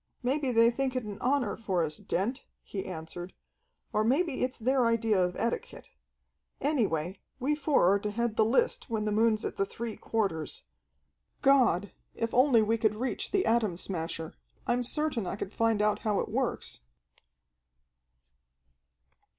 "Maybe they think it an honor for us, Dent," he answered, "or maybe it's their idea of etiquette. Anyway, we four are to head the list when the moon's at the three quarters. God, if only we could reach the Atom Smasher, I'm certain I could find out how it works!"